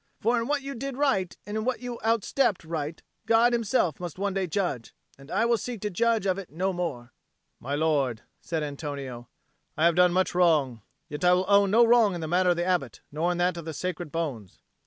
For in what you did right and in what you outstepped right, God Himself must one day judge, and I will seek to judge of it no more." "My lord," said Antonio, "I have done much wrong. Yet I will own no wrong in the matter of the Abbot nor in that of the Sacred Bones."